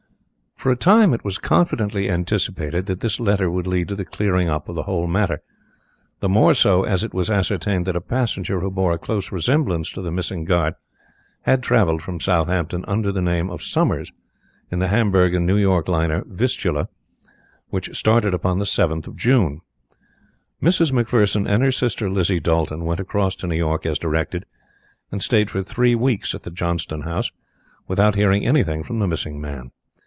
For a time it was confidently anticipated that this letter would lead to the clearing up of the whole matter, the more so as it was ascertained that a passenger who bore a close resemblance to the missing guard had travelled from Southampton under the name of Summers in the Hamburg and New York liner Vistula, which started upon the 7th of June. Mrs. McPherson and her sister Lizzie Dolton went across to New York as directed and stayed for three weeks at the Johnston House, without hearing anything from the missing man.